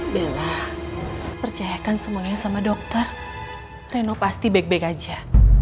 bela percayakan semuanya sama dokter reno pasti baik baik aja